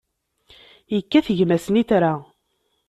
Yekkat gma snitra.